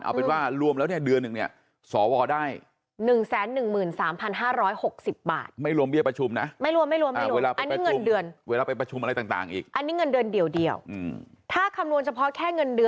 เอาเป็นว่ารวมแล้วเดือนหนึ่งสอวได้